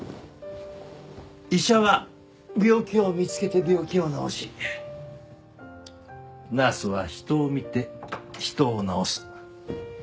医者は病気を見つけて病気を治しナースは人を見て人を治す。